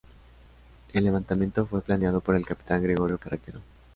El levantamiento fue planeado por el capitán Gregorio Carretero.